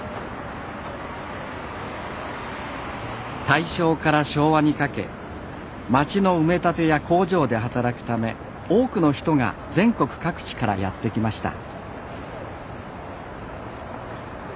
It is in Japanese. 大正から昭和にかけ街の埋め立てや工場で働くため多くの人が全国各地からやって来ました。